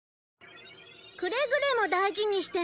くれぐれも大事にしてね。